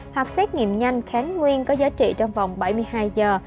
hoặc xét nghiệm nhanh kháng nguyên có giá trị trong vòng bảy mươi hai giờ